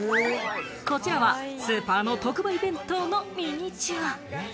こちらはスーパーの特売弁当のミニチュア。